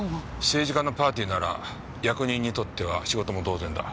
政治家のパーティーなら役人にとっては仕事も同然だ。